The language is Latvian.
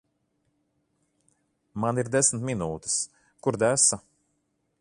Man ir desmit minūtes. Kur desa?